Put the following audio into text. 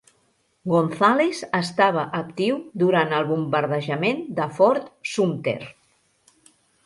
Gonzales estava actiu durant el bombardejament de Fort Sumter.